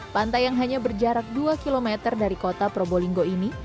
pantai yang hanya berjarak dua km dari kota probolinggo ini